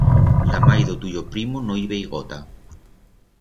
La mai d'o tuyo primo no i vei gota.